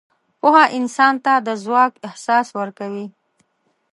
پوهه انسان ته د ځواک احساس ورکوي.